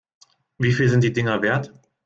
Wie viel sind die Dinger wert?